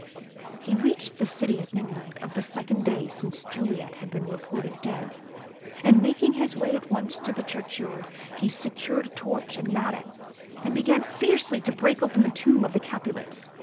He reached the city at midnight of the second day since Juliet had been reported dead; and making his way at once to the churchyard, he secured a torch and mattock, and began fiercely to break open the tomb of the Capulets.